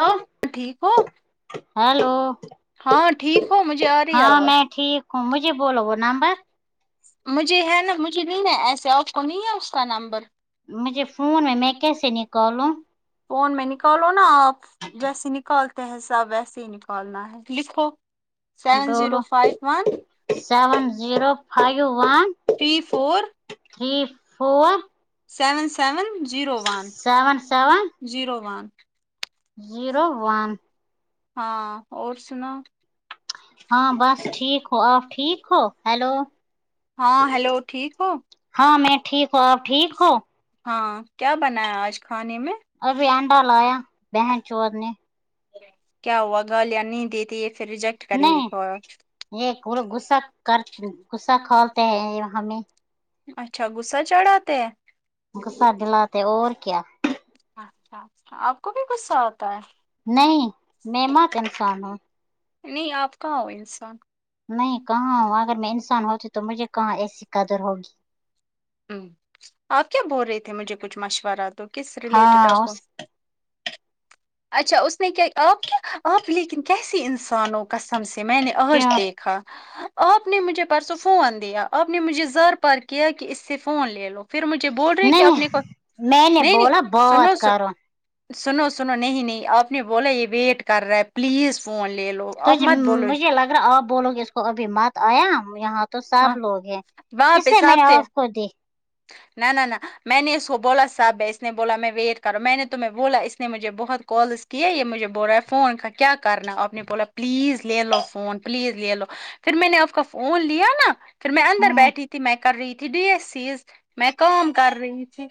hello ٹھیک ہو hello ہاں ٹھیک ہو مجھے آ رہی ہے ہاں آواز میں ٹھیک ہوں مجھے بولو وہ نمبر مجھے ہے نا مجھے نہیں نا ایسے آپ کو نہیں ہے اس کا نمبر مجھے فون میں میں کیسے نکالوں فون میں نکالو نا آپ جیسے نکالتے ہیں سب ویسے ہی نکالنا ہے لکھو سیون زیرو بولو five one seven zero five one three four three four seven seven zero one seven seven zero one zero one ہاں اور سنا ہاں بس ٹھیک ہو آپ ٹھیک ہو ہیلو ہاں ہیلو ٹھیک ہو ہاں میں ٹھیک ہوں آپ ٹھیک ہو ہاں کیا بنایا آج کھانے میں ابھی انڈا لایا بہن چور نے کیا ہوا گا لیں نہیں دیتے یہ پھر رجکٹ نہیں یہ پورا غصہ کر غصہ کھولتے ہیں ہمیں اچھا غصہ چڑھاتے ہیں غصہ دلاتے ہے اور کیا اچھا اچھا آپ کو بھی غصہ آتا ہے نہیں میں کہاں انسان ہوں نہیں آپ کہاں ہو انسان نہیں کہاں اگر میں انسان ہوتی تو مجھے کہاں ایسی قدر ہوگی آپ کیا بول رہے تھے مجھے کچھ مشورہ تو ہاں اور اچھا اس نے کیا آپ کیا آپ لیکن کیسی انسان ہو قسم سے میں نے آج کیا دیکھا آپ نے مجھے پرسوں فون دیا آپ آپ نے مجھے زار پار کیا کہ اس سے فون لے لو پھر مجھے بول رہے کیا نہیں اپنے کو میں نہیں نے بولا نہیں سنو بات کرو س سنو سنو نہیں نہیں آپ نے بولا یہ ویٹ کر رہا ہے پلیز فون لے لو تھ آپ مت بولو مجھے لگ رہا آپ بولو گے اس کو ابھی مت آیا یہاں تو سب ہاں لوگ ہیں وہاں اس پہ لیے میں نے سب تھے آپ کو دی نہ نہ نہ میں نے اس کو بولا صاحب اس نے بولا میں ویٹ کر میں نے تمہیں بولا اس نے مجھے بہت کال کہ یہ مجھے بول رہا ہے فون کا کیا کرنا ہے آپ نے بولا پلیز لے لو فون پلیز لے لو پھر میں نے آپ کا فون لیا نا پھر میں اندر ہوں بیٹھی تھی میں کر رہی تھی ڈی ایس سیز میں کام کر رہی تھی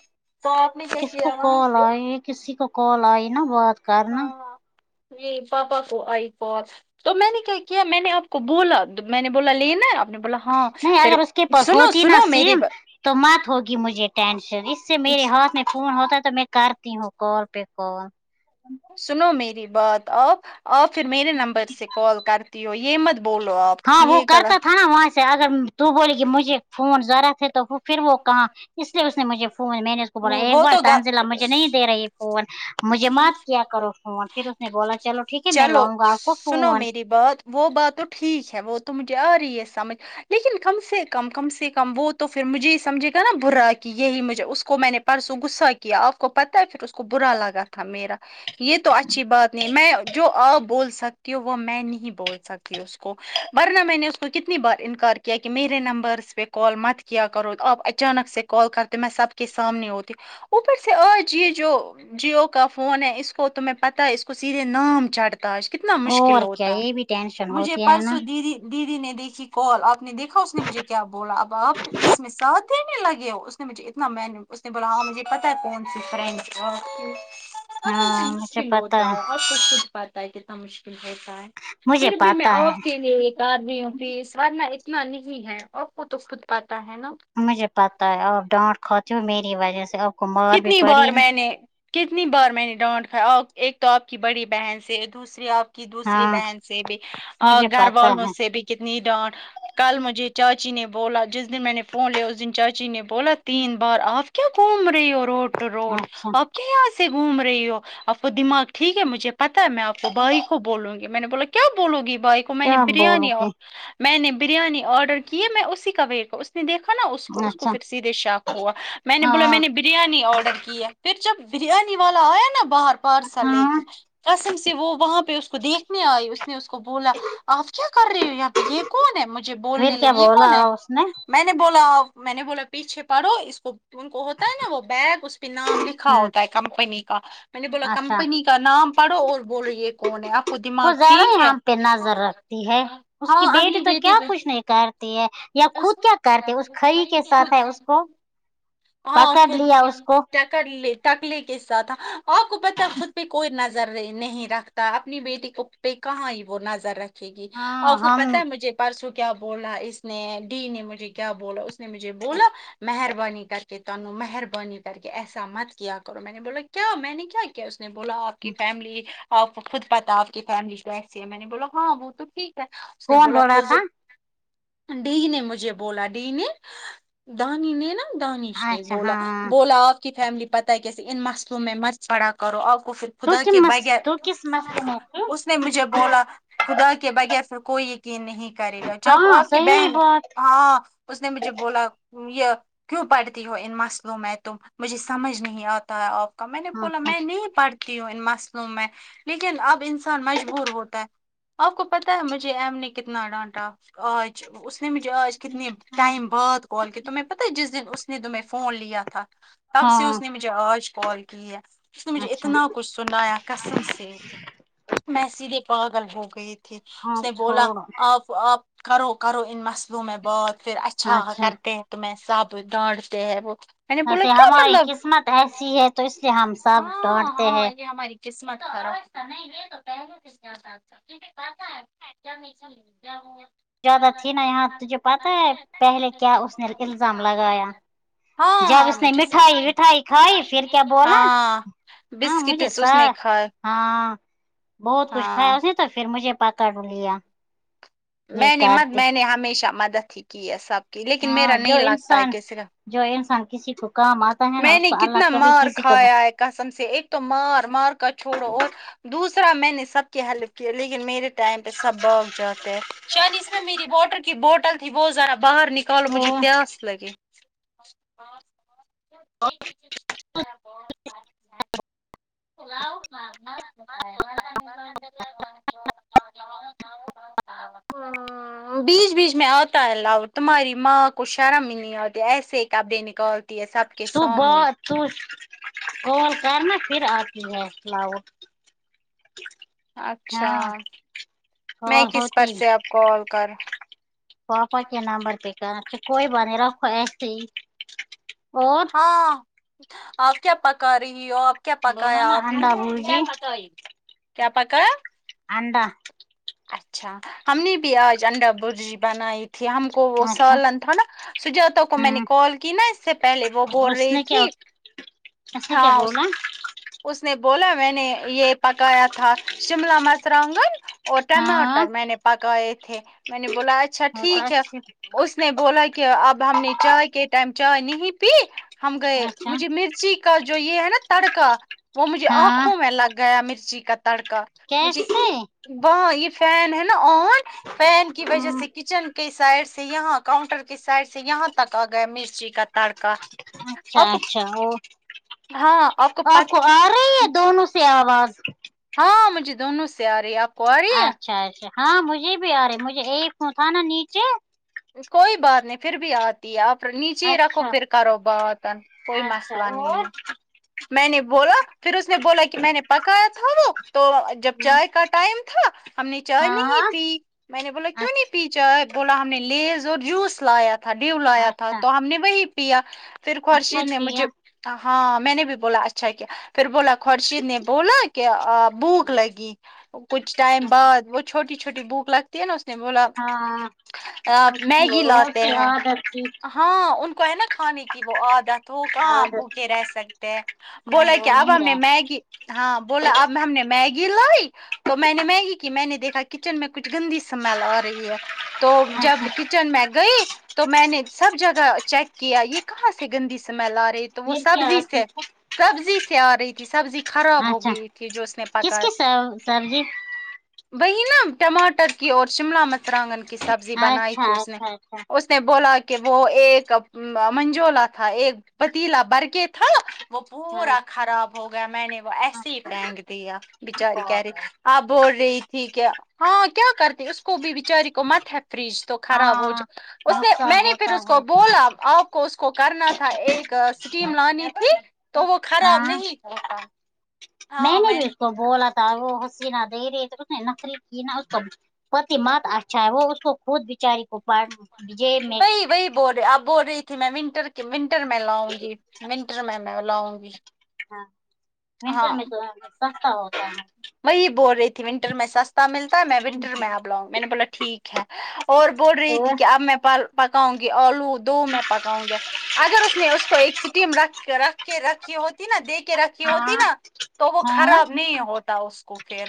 کس کو کال آئی کسی کو کال آئی نا بات کرنا جی پاپا کو آئی کال تو میں نے کیا کیا میں نے آپ کو بولا میں نے بولا لینا ہے آپ نے بولا ہاں نہیں پھر اگر اس کے پاس سنو ہوتی نا سنو میری سم تو مت ہوگی مجھے ٹینشن اس سے میرے ہاتھ میں فون ہوتا ہے تو میں کرتی ہوں کال پہ کال سنو میری بات آپ آپ پھر میرے نمبر سے کال کرتی ہو یہ مت بولو آپ ہاں وہ یہ کرتا غلط تھا نا وہاں سے اگر تو بولی کہ مجھے فون ذرا سے تو پھر وہ کہاں اس لیے اس نے مجھے فون میں نے اس کو بولا ایک وہ بار تو گ تنزیلہ مجھے نہیں دے رہی فون مجھے مت کیا کرو فون پھر اس نے بولا چلو ٹھیک ہے میں چلو لاؤں گا آپ کو سنو فون میری بات وہ بات تو ٹھیک ہے وہ تو مجھے آ رہی ہے سمجھ لیکن کم سے کم کم سے وہ تو پھر مجھے ہی سمجھے نا برا کی یہی مجھے اس کو میں نے پرسوں غصہ کیا آپ کو پتہ ہے پھر اس کو برا لگا تھا میرا یہ تو اچھی بات نہیں میں جو آپ بول سکتی ہو وہ میں نہیں بول سکتی اس کو ورنہ میں نے اس کو کتنی بار انکار کیا کہ میرے نمبرس پہ کال مت کیا کرو آپ اچانک سے کال کرتے میں سب کے سامنے ہوتی اوپر سے آ ج یہ جو جیو کا فون ہے اس کوتمہیں پتہ ہے اس کو سیدھے نام چڑھتا ہے کتنا مشکل اور کیا ہوتا یہ بھی ٹینشن مجھے ہوتی ہے نا پرسوں دیدی دیدی نے دیکھی کال آپ نے دیکھا اس نے مجھے کیا بولا اب آپ اس میں ساتھ اتنےنے لگے ہو اس نے مجھے اتنا مینو اس نے بولا ہاں مجھے پتا کون سی فرینچ ہاں مجھے مشکل پتا ہوتا ہے ہے [inaudible] کتنا مشکل ہوتا ہے مجھے پھر بھی میں پتا ہے آف کے لیے یہ آار بھی ہوں یہ سوارنا اتنا نہیں ہے اور کو تو خود پاتا ہے نا مجھے پتہ ہے اور ڈانٹ کھتی ہو میری وجہ سے کو مار بھی کتنی بار پڑی نا میں نے کتنی بار میں نے ڈانٹ کھایا ایک تو آپ کی بڑی بہن سے دوسری آپ دوسری ہاں بہن سے بھی مجھے گھر پتا والو مجھ ہے سے بھی کتنی ڈانٹ کل مجھے چاچی نے بولا جس دن میں نے فون لیا اس دن چاچی نے بولا تین بار آپ کیا گھوم رہی ہو روٹ روٹ اچھا آپ کے یہاں سے گھوم رہی ہو آپ کو دماغ ٹھیک ہے مجھے پتا ہے میں آپ کو بھائی کو بولوں گی میں نے بولا کیا بولوں گی بھائی کو میں نے کیا بولو بریانی ا گے میں نے بریانی آڈر کی میں اسی کا ویٹ اس نے دیکھا نا اس کو اس کو اچھا پھر سیدھے شاق ہوا میں نے بولا ہاں میں نے ب بریانی آرڈر کی پھر جب بریانی والا آیا نا باہر پارسل لے ہاں کے قسم سے وہ وہاں پہ اس کو دیکھنے آئی اس نے اس کو بولا آپ کیا کر رہے ہو یار یہ کون ہے مجھے پھر بولنے کیا لگی بولا کون ہے اس میں نے بولا میں نے بولا پیچھے پڑھو اس کو کو ہوتا ہے وہ بیگ اس پہ نام لکھا ہوں ہوتا ہے کمپنی کا میں نے بولا اچھا کمپنی کا نام پڑھو اور بولو یہ کون ہے آپ کو دماغ وہ زیادہ ٹھیک ہی ہے ہم پہ نظر رکھتی ہے اس ہاں کی بیٹی اپنی تو کیا پہ کچھ نہیں کرتی ہے یا خود کیا کرتی اس کھری کے ساتھ ہے خود اس کو ہاں پکڑ خود لیا اس کو ٹکر لے ٹکلے کے ساتھ ہ آپ کو پت خود پہ کوئی نظ نہیں رکھتا اپنی بیٹی کو پہ کہاں وہ نظر رکھتا یکی ہاں اپ کو ہم پتہ مجھے پرسوں کیا بولا اس نے ڈی نے مجھے کیا بولا اس مجھے بولا مہربانی کر کہ تن مہربانی کر کے ایسا مت کیا کرو میں نے بولا کیا میں نے کیا کیا اس نے بولا آپ آپ کی فیملی آپ کو خود پتہ آپ کی فیملی کیسی ہے میں نے بولا ہاں وہ تو ٹھیک اس نے کون بولا بول رہا فزو تھا ڈی نے مجھے بولا ڈی نے دانی نے نا دانی اچھا بولا ہاں بولا آپ کی فیملی پتہ ہے کیسے ان مسئلوں میں مت پڑا کرو آپ کو پھر تو خدا کے کس تو بغیر کس مستی میں تھی اس نے مجھے بولا خدا کے بغیر سے کوئی یقین نہیں کرے گا جب ہاں آپ کی صحیح بہن بات ہاں اس نے مجھے بولا یہ کیوں پڑھتی ہو ان مسئلوں میں تم مجھے سمجھ نہیں آتا ہے آپ کا میں نے بولا اچھا میں نہیں پڑھتی ہوں ان مسئلوں میں لیکن اب انسان مجبور ہوتا ہے آپ کو پتا ہے مجھے ایم نے کتنا ڈانٹا آج اس نے مجھے آج کتنی ٹائم بعد کال کی تو میں پتہ جس دن ا اس نے تو میں فون لیا تھا تب سے ہاں اس نے مجھے آج کال کی ہے اس نے مجھے اچھا اتنا کچھ سنایا قسم سے میں سیدھے پاگل ہو گئی تھی تھی ہاں اس نے بولا چھوڑو آپ آپ کرو کرو ان مسئلوں میں بات پھر اچھا کرتے ہیں تمہے سب ڈانڈتے ہیں وہ میں نے بولا ویسے کیا ہماری مطلب قسمت ایسی ہے تو اس لیے ہم سب ہاں ڈانٹتے ہاں ہیں یہ ہماری [unintelligible] قسمت خراب کیا ہوا زیادہ تھی نا یہاں تجھے پتا ہے پہلے کیا اس نے الزام لگایا ہاں جب ہاں اس نے مجھے مٹھائی وٹھائی کھائی پھر کیا بولا ہاں ہاں مجھے بسکٹس سا اس نے کھائے ہاں بہت کچھ کھایا ہاں اس تو پھر مجھے پکاڈ لیا یہ میں نے مت کرتے میں نے ہمیشہ مدد ہی کی ہے سب کی لیکن ہاں میرا جو نہیں لگتا ہے انسان کس کا جو انسان کسی کو کام اتا ہے نا میں اس نے کو کتنا اللہ کبھی مار کسی کو کھایا ہے قسم سے ایک تو مار مار کا چھوڑو اور دوسرا میں نے سب کی ہیلپ کی لیکن میرے ٹائم پہ سب باگ جاتے ہیں شان اس میں میری واٹر کی بوٹل تھی وہ ذرا باہر نکالو تو مجھے پیاس لگے [unintelligible] [unintelligible] ام بیچ بیچ میں آتا ہے لاؤ تمہاری ماں کو شرم ہی نہیں آتی ایسے کپڑے نکال تو بات تو کال کرنا پھر آ [unintelligible] اچھا میں کال کس پر ہوتی سے آپ کو کال کر پاپا کے نمبر پہ کہنا کوئی بات نہیں رکھو ایسے ہی اور ہاں آپ کیا پکا رہی ہو آپ کیا بولا پکایا نا آپ نے انڈا کیا بھجی پکائی کیا پکا انڈا اچھا ہم نے بھی آج انڈا برجی بنائی تھی تھی ہم کو وہ اچھا سالن تھا نا سجاتا کو میں نے ہوں کال کی نا سے پہلے وہ بول اس رہی نے کیا تھی اس نے کیا ہاں بولا اس نے بولا میں نے یہ پکایا تھا شملہ مچراگن اور ہاں ٹماٹر میں نے پکائے تھے میں نے بولا اچھا وہ تو ٹھیک ہے اچھی اس نے بولا کہ اب ہم نے چائے کے ٹائم چائے نہیں پی ہم گئے اچھا مجھے مرچی کا جو یہ ہے نا تڑکا وہ مجھے ہاں آنکھوں میں لگ گیا مرچی کا تڑکا مجھے کیسے یہ فین ہے نا آن فین کی وجہ سے کچن کے سائڈ سے یہاں کاؤنٹر کے سائڈ سے یہاں تک آ گیا مرچ کا تڑکا اچھا آپ کو اچھا اور ہاں آپ کا دونوں سے [unintelligible] آواز ہاں مجھے دونوں سے آ رہی آپ کو آ رہی ہے اچھا اچھا ہاں مجھے بھی آ رہے مجھے ایک وہ تھا نا نیچے کوئی بات نہیں پھر بھی آج دیا پر نیچے رکھو اچھا پھر کرو باتن کوئی اچھا مثلا نہیں ہے اور میں نے بولا پھر اس نے بولا کہ میں نے پکایا تھا وہ تو جب چائے کا ٹائم تھا ہم نے چائے نہیں ہاں پی میں نے بولا کیوں نہیں پی چ بولا ہم نے لیز اور جوس لایا تھا ڈیو اچھا لایا تھا اچھا تو ہم نے وہی پیا پھر اچھا خورشید نے کیا مجھے ہاں میں نے بھی بولا اچھا کیا پھر بولا خورشید نے بولا کہ بھوک لگی کچھ ٹائم بعد وہ چھوٹی چھوٹی بھوک لگتی ہے نا اس نے بولا ہاں میگی روز لاتے ہیں دیہان ہاں ان کو ہے نا کھانے کی وہ عادت تو کہاں عادت بھوکے رہ سکتے ہیں بولا نہیں وہ کہ اب نہیں ہم نے رہا میگی ہاں بولا اب ہم نے میگی لائی تو میں نے میگی کی میں نے دیکھا کچن میں کچھ گندی سمل آ رہی ہے تو اچھا جب کچن میں گئی تو میں نے سب جگہ چیک کیا یہ کہاں سے گندی سمیل آ رہی رہی تو وہ پھر کیا سبزی آتی سے سبزی سے آ رہی تھی سبزی خراب ہو اچھا گئی تھی جو اس نے پکا کی کس سب سبزی وہی نا ٹماٹر کی اور شملہ مراگن کی سبزی بنائی تھی اچھا اسنے اچھا اچھا اس نے بولا کہ وہ ایک منجولا تھا ایک پتیلا بھر کے تھا وہ ہاں پورا خراب ہو گیا میں نے وہ ایسے ہی پھینک دیا بچاری کہہ رہی آپ بول رہی تھی کیا ہاں کیا کرتی اس کو بھی بچاری کو مت ہے فریج تو خراب ہو ہاں جائے اس نے نقصان میں نے پھر ہوتا اس ہے کو بولا آپ کو اس کو کرنا تھا ایک اسٹیم لانی تھی تو وہ خراب ہاں نہیں کرتا میں نے بھی اس کو بولا تھا وہ حسینہ دے رہی تو اس نے نخری کی نہ اس کو پتی مت اچھا ہے وہ اس کو خود بچاری کو پجے میں وہی وہی بول رہے آپ بول رہی تھی میں م انٹر [unintelligible] کہ ونٹر میں لاؤں گی ونٹر میں میں لاؤں گی ونٹر ہاں میں تو سستا ہوتا ہے وہی بول رہی تھی ونٹر میں سستا ملتا ہے میں ونٹر میں آب لاؤں میں نے بولا ٹھیک ہے اور بول رہی ہے تھی کہ اب میں پکاؤں گی آلو دو میں پکاؤں گا اگر اس نے اس کو ایک سٹیم رکھ رکھ کے رکھی ہوتی نا دیکھ رکھی ہوتی ہاں نا تو وہ ہاں خراب نہیں ہوتا اس کو پھر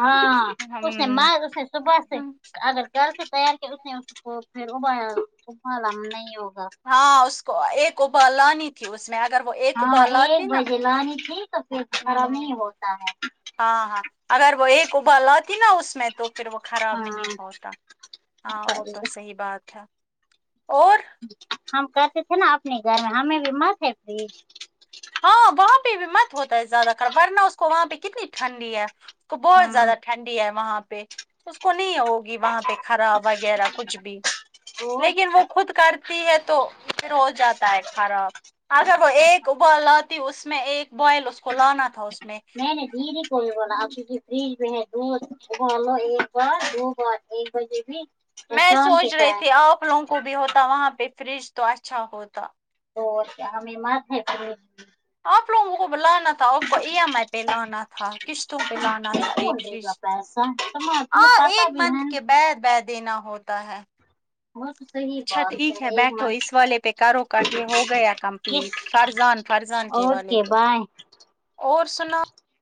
ہاں اس نے ما اس نے صبح سے ہم اگر گھر سے تیار کے اس کو پھر ابا اب لام نہیں ہوگا ہاں اس کو ایک اوبال لانی تھی اس میں اگر وہ ایک اوبال ہاں لاتی ایک نا تو بجے لانی تھی تو خراب نہیں ہوتا ہے ہاں ہاں اگر وہ ایک ابر لتی نا اس میں تو پھر وہ خراب ہاں نہیں ہوتا ہاں وہ تو صحیح بات ہے اور ہم کہتے تھے نا اپنے گھر میں ہمیں بھی مت ہے ہاں وہاں پہ بھی مت ہوتا ہے زیادہ تر ورنہ اس کو وہاں پہ کتنی ٹھنڈی ہے اس کو بہت ہاں زیادہ ٹھنڈی ہے وہاں پہ اس کو نہیں ہو گی وہاں پہ کرا وغیرہ کچھ بھی اور لیکن وہ خود کرتی ہے تو پھر ہو جاتا ہے خراب اگر وہ ایک ایک ابال لاتی اس میں ایک بوائل اس کو لانا تھا اس میں نے دیدی کو بھی بولا آپ کیونکہ فریج میں ہے دودھ ابالو ایک بار دو بار ایک بجے بھی میں شام کے سوچ رہی ٹائم تھی آپ لوگ کو بھی ہوتا وہاں پہ فریج تو اچھا ہوتا تو کیا ہمیں مات ہے پے آپ لوگوں کو بلانا تھا آ کو ای ایم آئی پہ لانا تھا قسطوں پہ لانا تھا ایک کون دے فج [unintelligible] بہ دینا ہوتا ہے وہ تو صحیح اچھا بات ٹھیک ہے ایک بیٹھو منتھ اس والے پہ کرو کر یہ ہو گیا کس کمپلیٹ فرزان فرزان کے والے اوکے کو بائے اور سنا